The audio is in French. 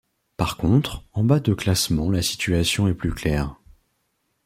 Par contre en bas de classement la situation est plus claire.